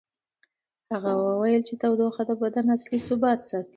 هغه وویل چې تودوخه د بدن اصلي ثبات ساتي.